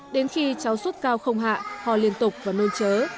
đến khi cháu suốt cao không hạ họ liên tục và nôn chớ